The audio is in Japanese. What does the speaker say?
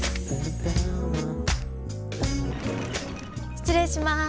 失礼します。